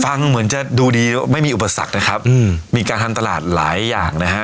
ฟังเหมือนจะดูดีไม่มีอุปสรรคนะครับอืมมีการทำตลาดหลายอย่างนะฮะ